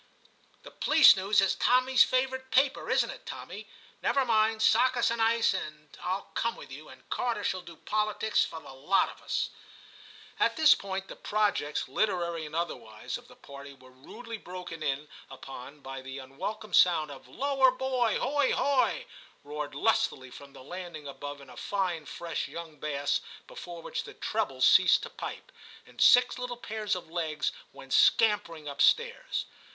*The Police News is Tommys favourite paper, isn't it, Tommy ? Never mind, sock us an ice and Til come with you, and Carter shall do politics for the lot of us/ At this point the projects, literary and otherwise, of the party were rudely broken in upon by the unwelcome sound of ' Lower boy hoy hoy,' roared lustily from the landing above in a fine fresh young bass before which the trebles ceased to pipe, and six little pairs of legs went scampering upstairs.